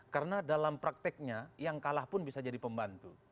karena dalam prakteknya yang kalah pun bisa jadi pembantu